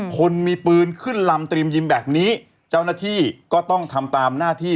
คนมีปืนขึ้นลำตรีมยิมแบบนี้เจ้าหน้าที่ก็ต้องทำตามหน้าที่